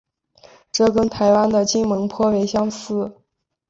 这跟台湾的金门颇为相似。